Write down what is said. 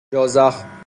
جا زخم